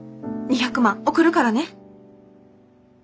２００万送るからね。